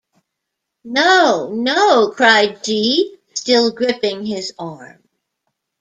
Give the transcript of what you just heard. “No, no,” cried G., still gripping his arm.